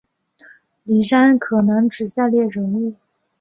李珊可能指下列人物